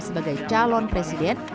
sebagai calon presiden